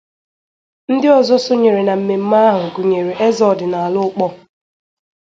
Ndị ọzọ sonyere na mmemme ahụ gụnyèrè eze ọdịnala Ukpor